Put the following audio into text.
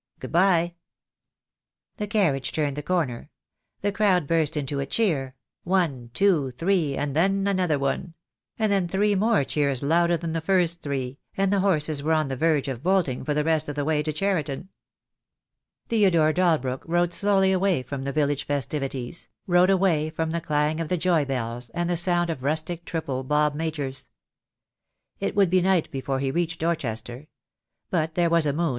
Good bye." The carriage turned the corner. The crowd burst into a cheer: one, two, three, and then another one: and then three more cheers louder than the first three, and the horses were on the verge of bolting for the rest of the way to Cheriton. Theodore Dalbrook rode slowiy awray from the village festivities, rode away from the clang of the joy bells, and the sound of rustic triple bob majors. It would be night before he reached Dorchester; but there was a moon. THE DAY WILL COME. I Q.